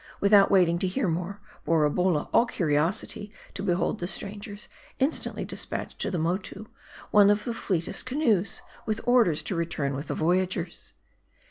Without waiting to hear more, Borabolla, all curiosity to behold the strangers, instantly dispatched to the Motoo one of his fleetest canoes, with orders to return with the voyagers.